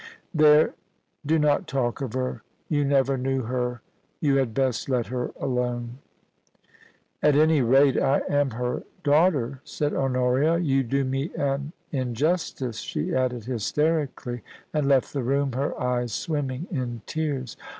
... There, do not talk of her. ... You never knew her — you had best let her alone '* At any rate I am her daughter/ said Honoria. * You do me an injustice,' she added hysterically, and left the room, her eyes swimming in tears.